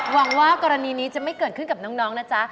หวังว่ากรณีนี้จะไม่เกิดขึ้นกับน้องนะจ๊ะ